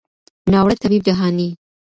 ناوړه طبیب جهاني